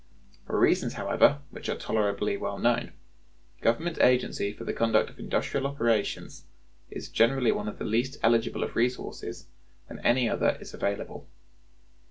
For reasons, however, which are tolerably well known, government agency for the conduct of industrial operations is generally one of the least eligible of resources when any other is available.